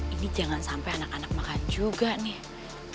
ini jangan sampai anak anak makan juga nih